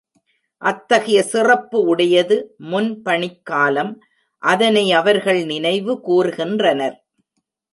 அத்தகைய சிறப்பு உடையது முன்பணிக்காலம் அதனை அவர்கள் நினைவு கூர் கின்றனர்.